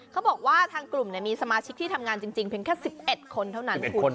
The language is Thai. เขาบอกว่าทางกลุ่มมีสมาชิกที่ทำงานจริงเพียงแค่๑๑คนเท่านั้นคุณ